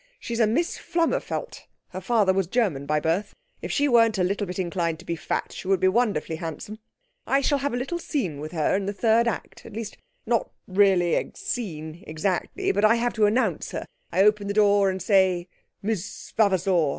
She's a Miss Flummerfelt. Her father was German by birth. If she weren't a little bit inclined to be fat, she would be wonderfully handsome. I shall have a little scene with her in the third act, at least, not really a scene exactly, but I have to announce her. I open the door and say, "Miss Vavasour!"